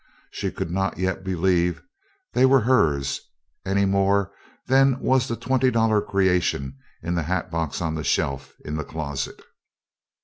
She could not yet believe they were hers, any more than was the twenty dollar creation in the hat box on the shelf in the closet.